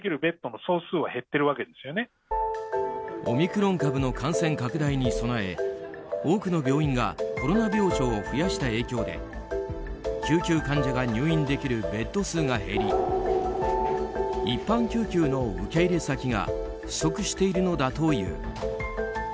オミクロン株の感染拡大に備え多くの病院がコロナ病床を増やした影響で救急患者が入院できるベッド数が減り一般救急の受け入れ先が不足しているのだという。